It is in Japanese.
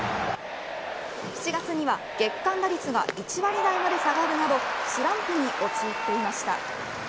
７月には月間打率が１割台まで下がるなどスランプに陥っていました。